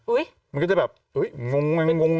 อุ๊ยมันก็จะแบบอุ๊ยมันมันงงลิงกัน